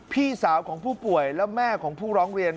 พี่สาวของผู้ป่วยและแม่ของผู้ร้องเรียน